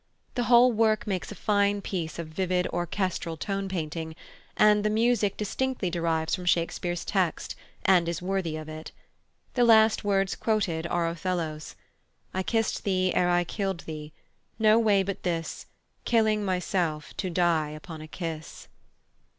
The whole work makes a fine piece of vivid orchestral tone painting, and the music distinctly derives from Shakespeare's text, and is worthy of it. The last words quoted are Othello's: "I kissed thee ere I killed thee; no way but this, Killing myself, to die upon a kiss."